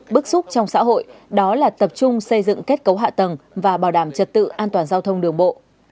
bức xúc trong xã hội đó là tập trung xây dựng kết cấu hạ tầng và bảo đảm trật tự an toàn giao thông đường bộ